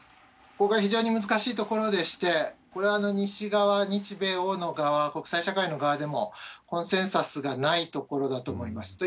ここが非常に難しいところでして、これは西側、日米欧の側、国際社会の側でもコンセンサスがないところだと思います。